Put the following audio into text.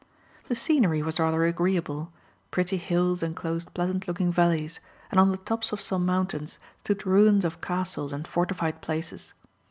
The scenery was rather agreeable; pretty hills enclosed pleasant looking valleys, and on the tops of some mountains stood ruins of castles and fortified places.